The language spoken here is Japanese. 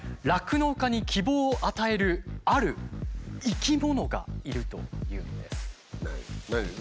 酪農家に希望を与えるある生き物がいるというんです。